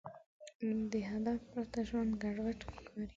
د هدف پرته ژوند ګډوډ ښکاري.